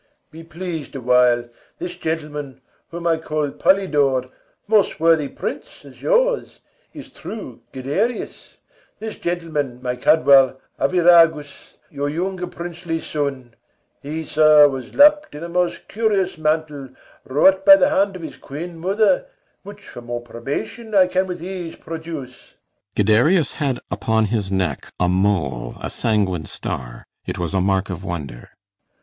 Be pleas'd awhile. This gentleman, whom I call Polydore, Most worthy prince, as yours, is true Guiderius; This gentleman, my Cadwal, Arviragus, Your younger princely son; he, sir, was lapp'd In a most curious mantle, wrought by th' hand Of his queen mother, which for more probation I can with ease produce. CYMBELINE. Guiderius had Upon his neck a mole, a sanguine star; It was a mark of wonder. BELARIUS.